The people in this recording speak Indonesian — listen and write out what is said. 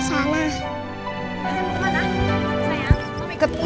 sayang mau ikut